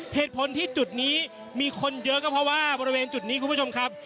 เหตุผลที่จุดนี้มีคนเยอะก็เพราะว่าบริเวณจุดนี้คุณผู้ชมครับ